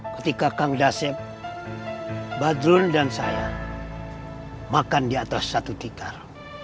ketika kami dasep badrun dan saya makan di atas satu tikar